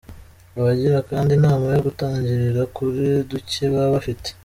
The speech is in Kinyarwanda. Abagira kandi inama yo gutangirira kuri duke baba bafite.